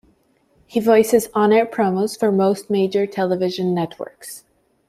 He voices on-air promos for most Major Television networks.